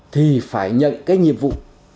thì phải nhận cái nhiệm vụ